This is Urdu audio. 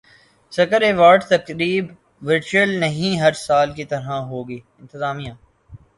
سکر ایوارڈز تقریب ورچوئل نہیں ہر سال کی طرح ہوگی انتظامیہ